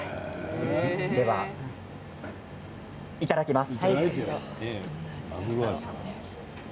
では、いただきます。